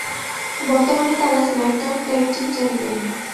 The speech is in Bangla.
বর্তমানে তারা স্ম্যাকডাউন ট্যাগ টিম চ্যাম্পিয়ন।